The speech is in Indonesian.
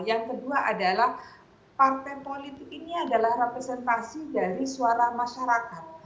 yang kedua adalah partai politik ini adalah representasi dari suara masyarakat